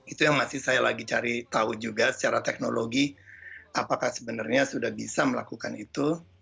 itu yang masih saya lagi cari tahu juga secara teknologi apakah sebenarnya sudah bisa melakukan itu